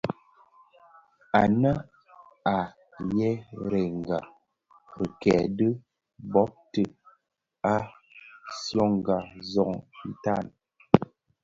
Ànë à yerênga rikêê di bôbti, à syongà zɔng itan.